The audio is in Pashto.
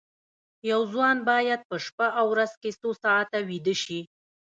یو ځوان باید په شپه او ورځ کې څو ساعته ویده شي